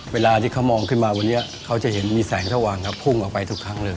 เวลาที่เขามองขึ้นมาวันนี้เขาจะเห็นมีแสงสว่างครับพุ่งออกไปทุกครั้งเลย